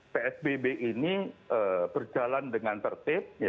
psbb ini berjalan dengan tertib